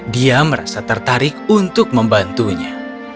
dia merasa tertarik untuk membantunya